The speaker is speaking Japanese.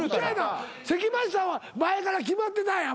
関町は前から決まってたんや。